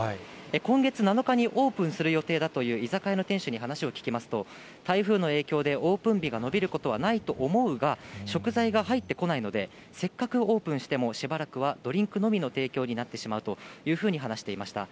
今月７日にオープンする予定だという居酒屋の店主に話を聞きますと、台風の影響でオープン日が延びることはないと思うが、食材が入ってこないので、せっかくオープンしても、しばらくはドリンクのみの提供になってしまうというふうに話していました。